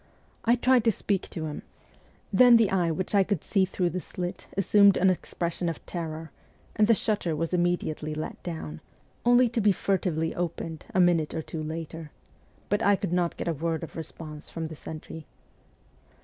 I tried to speak to him ; then the eye which I could see 144 MEMOIRS OF A REVOLUTIONIST through the slit assumed an expression of terror, and the shutter was immediately let down, only to be furtively opened a minute or two later ; but I could not get a word of response from the sentry.